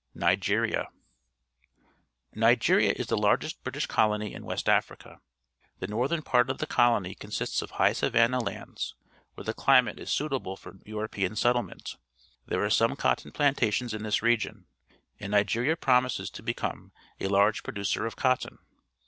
NIGERIA ' 1^^ Nigeria is the largest British colony in West .\frica. The northern part of the colony consists of high savanna lands, where the chmate is suitable for European settle ment. There are some cotton plantations in tliis region, and Nigeria promises to become a large producer of cotton.